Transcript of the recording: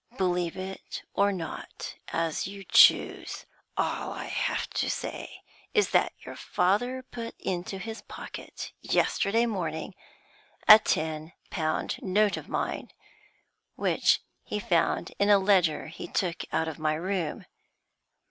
'Believe it or not, as you choose. All I have to say is that your father put into his pocket yesterday morning a ten pound note of mine, which he found in a ledger he took out of my room.